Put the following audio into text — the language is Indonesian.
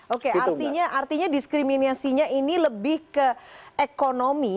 oke artinya diskriminasinya ini lebih ke ekonomi